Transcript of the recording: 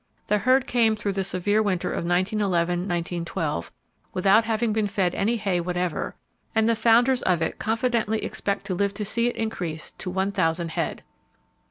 The herd came through the severe winter of 1911 1912 without having been fed any hay whatever, and the founders of it confidently expect to live to see it increase to one thousand head.